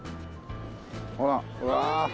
ほらうわあ！